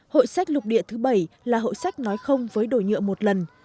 hội sách lục địa thứ bảy là hội sách nói không với đổi nhựa một lần